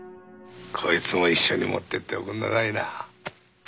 こいつも一緒に持ってっておくんなさいな。